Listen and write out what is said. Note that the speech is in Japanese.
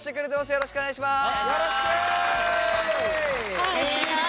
よろしくお願いします。